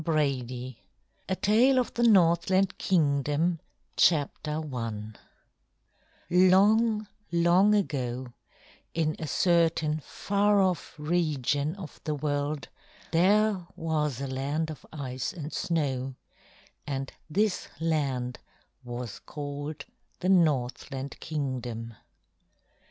CHAPTER II A TALE OF THE NORTHLAND KINGDOM I Long, long ago, in a certain far off region of the world, there was a land of ice and snow, and this land was called the Northland Kingdom.